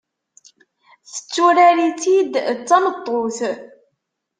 Tetturar-itt-id d tameṭṭut.